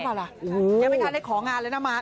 ยังไม่ทันได้ของานเลยนะมาร์